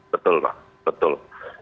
betul pak betul